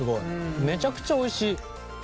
めちゃくちゃおいしい。